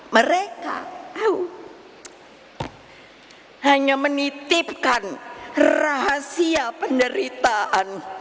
mereka hanya menitipkan rahasia penderitaan